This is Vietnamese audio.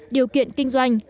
điều kiện kinh doanh